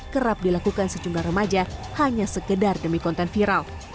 kerap dilakukan sejumlah remaja hanya sekedar demi konten viral